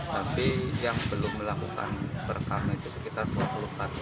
tapi yang belum melakukan perekaman itu sekitar dua puluh kali